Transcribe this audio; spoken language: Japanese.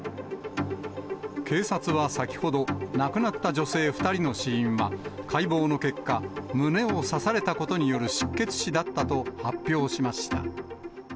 警察は先ほど、亡くなった女性２人の死因は解剖の結果、胸を刺されたことによる失血死だったと発表しました。